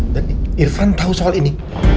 dan irfan tahu soal ini